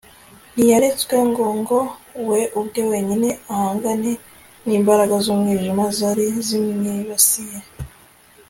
ntiyaretswe ngo ngo we ubwe wenyine ahangane nimbaraga zumwijima zari zimwibasiye